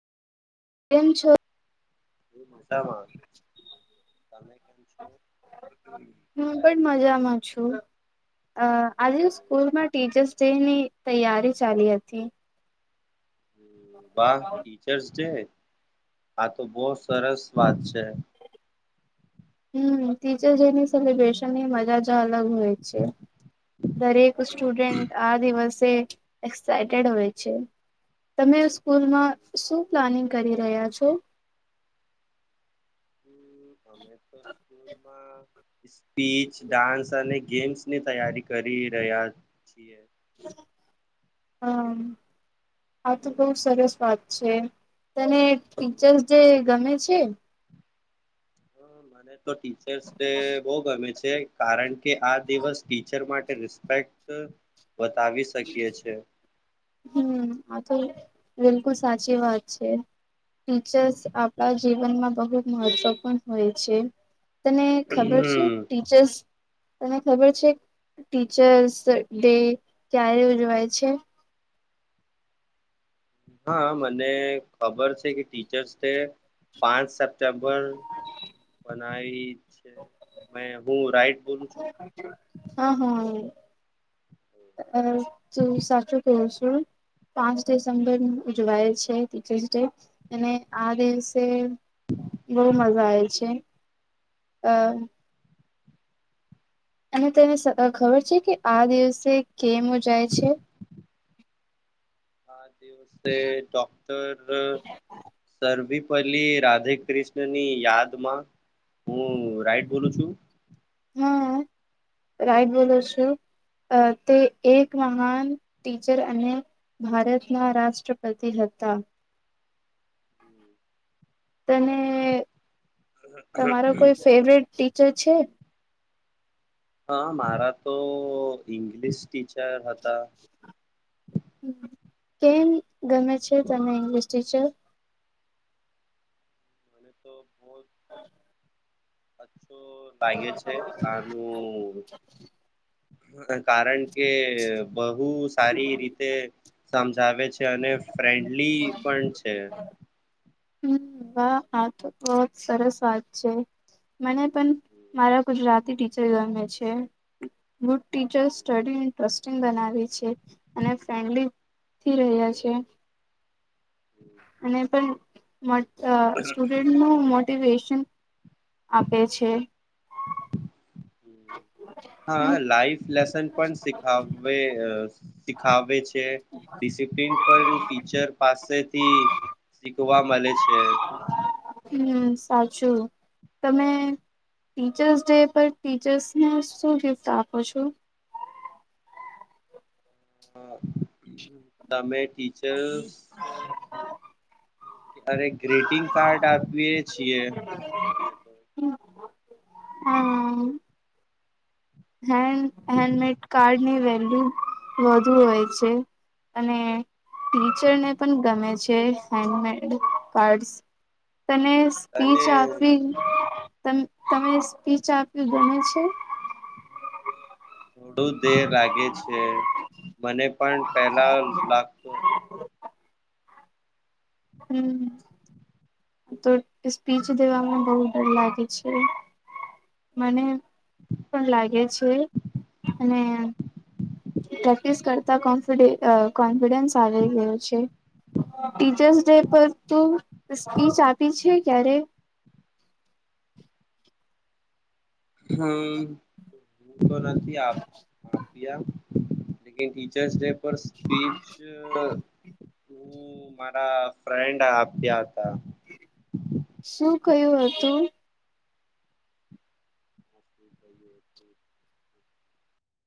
કેમ છો? મજા મા. છો અહ આજે સ્કૂલમાં ટીચર્સ જેની તૈયારી ચાલી હતી હમ્મ. વાહ ટીચર્સ ડે આા તો બહુ સરસ વાત છે હમ્મ ટીચર્સ ડેની સેલિબ્રેશન ની મજા જ જ અલગ હોય છે દરેક સ્ટુડન્ટ આ દિવસ તે એક્ષાઇટેડ હોય છે તમે સ્કૂલમાં શું પ્લાનિંગ કરી રહ્યા છો? હમ્મ અમે તો સ્કૂલમાં સ્પીચ ડાન્સ અને ગેમ્સ ની તૈયારી કરી રહ્યા છીએ. હા આ તો બહ સરસ વાત છે તને ટીચર્સ જે ગમે છે હમ મને તો ટીચર્સ ડે બહ ગમે છે કારણ કે આ દિવસ ટીચર માટે રિસ્પેક્ટ બતાવી શકીએ છે હમ આ તો બિલકુલ સાચી વાત છે ટીચર્સ આપણા જીવનમાં બહુ મહત્વ પણૂર્ણ હોય છે તને ખબર છે ટીચર્સ તને ખબર છે ટીચર્સ ડે ક્યારે ઉજવાય છે હા મને ખબર છે કે ટીચર્સ ડ પાંચ સેપ્ટેમ્બર મે હું રાઈટ બોલું છું હા હા અ તું સાચું કહ છું પાંચ ડિસેમ્બર ઉજવાય છે ટીચર્સ ડે અને આ દિવસે બહુ મજા આવે છે અહ. અને તને સ અહ ખબર છે કે આ દિવસે કેમ ઉજાય છે? આ દિવસે doctor Sarvepalli Radhakrishnan ની યાદમાં, હું રાઈટ બોલું છું? હા, રાઈટ બોલો છો. અહ તે એક મહાન ટીચર અને ભારતના રાષ્ટ્રપતિ હતા. તેને બિલકુલ તમારો કોઈ ફેવરેટ ટીચર છે હા મારા તો ઇંગ્લિશ ટીચ હતા કેમ ગમે છે તને ઇંગ્લિશ ટીચર અને તો બ અચછા તો લાગે છે આનું હા કારણ કે બહુ સારી રીતે સમજાવે છે અને ફ્રેન્ડલી પણ છે હમ વાહ આ તો બહ સરસ વાત છે મને પણ મારા ગુજરાતી ટીચર ગમે છે ગુડ ટીચર સ્ટડી ઇન્ટસ્ટિંગ બનાવી છે અને ફન્ડલી રહ્યા છે અને પણ અ સ્ટુડન્ટ ન મો તે વેશન આપે છે હા હમ્મ લાઈફ લસન પણીખ સીખ છેિસપ્ન પણ ટીચર પાસેથી શીખ મળ છે સાચું તમે ટીચર્સ ડે પર ટીચર્સને શું ગિફ્ટ આપો છો હા તમે ટીચર્સ અરે ગ્રીટિંગ કાર્ડ આપીએ છીએ હા હેન્ડ હેન્ડમેડ કાર્ડ ન રહેે વધુ હોય છે અને ટીચર ને પણ ગમે છે. ચ હેન્ડમેડ કાર્ડ્સ તને સ્પીચ અને આપી તમે તમે સ્પીચ આપ્યું ગમે છે થોડું દેર લાગે છે મને પણ પેલા લાગતું તું હમ તો સ્પીચ દેવામાં બહુ ડર લાગે છે. મને પણ લાગે છે. અને પ્રેક્ટિસ કરતા કોન્ફિડે અઅ કોન્ફિડન્સ આવી ગ્યું છે. ટીચર્સ ડે પર તો સ્પીચ આપી છે ક્યારે? હમ્મ. તો નથી આપતા દિયા એ કઈ ટીચર્સ ડે. પર સ્પીચ અહ હું મારા ફ્રેન્ડ આ આપ્યા હતા. શું કયું હતું?